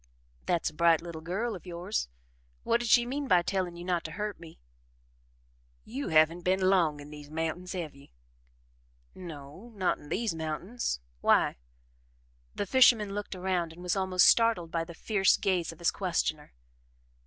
"That's a bright little girl of yours What did she mean by telling you not to hurt me?" "You haven't been long in these mountains, have ye?" "No not in THESE mountains why?" The fisherman looked around and was almost startled by the fierce gaze of his questioner.